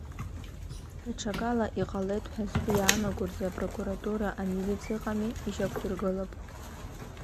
Даҽакала иҟалеит ҳәа згәы иаанаго рзы апрокуратура, амилициа ыҟами, ишьақәдыргылап.